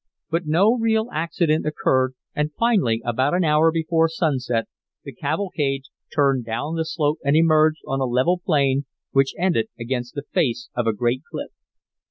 But no real accident occurred, and finally, about an hour before sunset, the cavalcade turned down the slope and emerged on a level plain, which ended against the face of a great cliff.